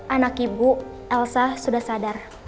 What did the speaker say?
anak ibu elsa sudah sadar